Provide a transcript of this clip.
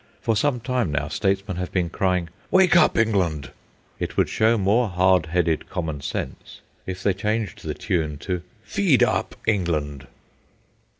For some time, now, statesmen have been crying, "Wake up, England!" It would show more hard headed common sense if they changed the tune to "Feed up, England!"